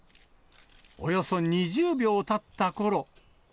およそ２０秒たったころ。